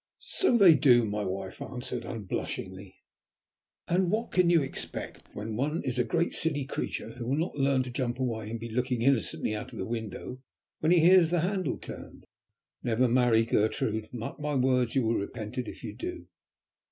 "So they do," my wife answered unblushingly. "And what can you expect when one is a great silly creature who will not learn to jump away and be looking innocently out of the window when he hears the handle turned? Never marry, Gertrude. Mark my words: you will repent it if you do!"